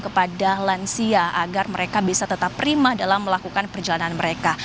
kepada lansia agar mereka bisa tetap prima dalam melakukan perjalanan mereka